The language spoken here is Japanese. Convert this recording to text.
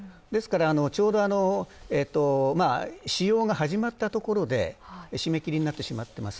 ちょうど使用が始まったところで締め切りになってしまっています。